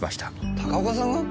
高岡さんが！？